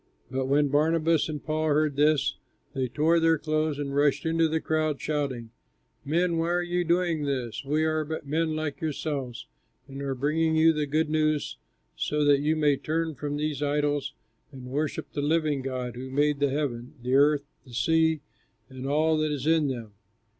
But when Barnabas and Paul heard this, they tore their clothes and rushed into the crowd, shouting, "Men, why are you doing this? We are but men like yourselves, and are bringing you the good news so that you may turn from these idols and worship the living God who made the heaven, the earth, the sea, and all that is in them.